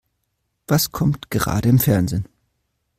Was kommt gerade im Fernsehen?